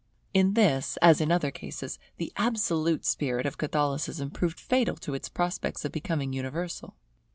In this, as in other cases, the absolute spirit of Catholicism proved fatal to its prospects of becoming universal.